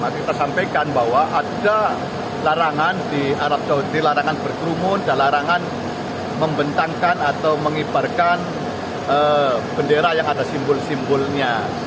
kita sampaikan bahwa ada larangan di arab saudi larangan berkerumun dan larangan membentangkan atau mengibarkan bendera yang ada simbol simbolnya